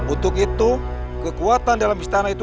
untuk itu kekuatan dalam istana itu